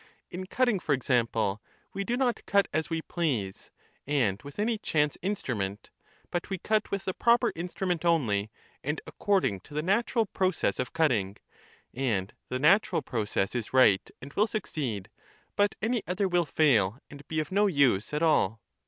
In cutting, for example, we do not cut as we please, and with any chance instrument ; but we cut with the proper instrument only, and according to the natural process of cutting; and the nat\iral process is right and will succeed, but any other will fail and be of no use at all.